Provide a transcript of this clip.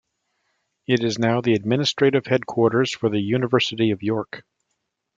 It is now the administrative headquarters for the University of York.